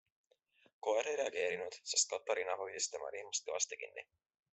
Koer ei reageerinud, sest Katariina hoidis tema rihmast kõvasti kinni.